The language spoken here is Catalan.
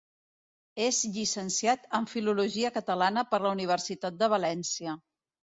És llicenciat en Filologia Catalana per la Universitat de València.